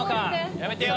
やめてよ！